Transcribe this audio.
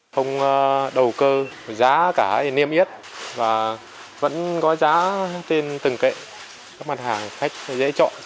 không đầu cơ giá cả niêm yết và vẫn có giá trên từng kệ các mặt hàng khách dễ chọn